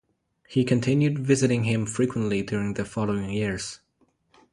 He continued visiting him frequently during the following years.